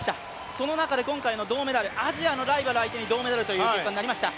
その中で今回の銅メダル、アジアのライバル相手に銅メダルということになりました。